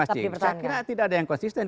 saya kira tidak ada yang konsisten